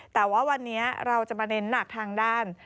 แต่ว่าวันนี้เราจะมาเน้นหนักทางด้าน